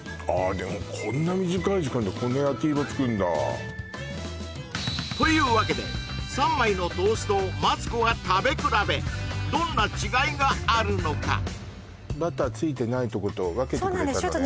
でもこんな短い時間でこの焼き色つくんだというわけで３枚のトーストをマツコが食べ比べどんな違いがあるのかバターついてないとこと分けてくれたのねそうなんです